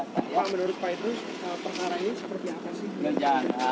pak menurut pak idrus perkara ini seperti apa sih